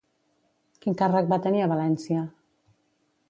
Quin càrrec va tenir a València?